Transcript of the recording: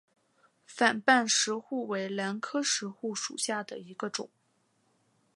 反瓣石斛为兰科石斛属下的一个种。